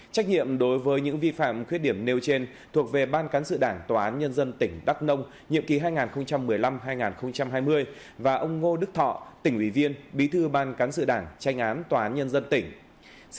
trách nhiệm đối với những vi phạm khuyết điểm nêu trên thuộc về ban cán sự đảng tòa án nhân dân tỉnh đắk nông nhiệm ký hai nghìn một mươi năm hai nghìn hai mươi và ông ngô đức thọ tỉnh ủy viên bí thư ban cán sự đảng tranh án tòa án nhân dân tỉnh